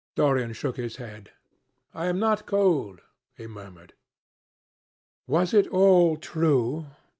Dorian shook his head. "I am not cold," he murmured. Was it all true?